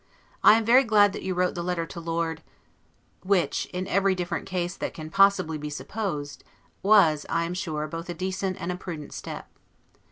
I am very glad that you wrote the letter to Lord , which, in every different case that can possibly be supposed, was, I am sure, both a decent and a prudent step.